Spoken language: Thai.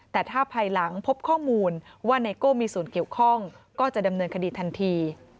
แต่ถ้าภายหลังพบข้อมูลว่าไนโก้มีส่วนเกี่ยวข้องก็จะดำเนินคดีทันที